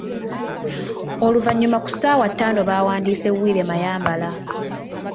Oluvanyuma ku ssaawa ttaano bawandiise Willy Mayambala.